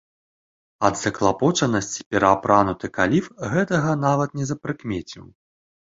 Ад заклапочанасці пераапрануты каліф гэтага нават не запрыкмеціў.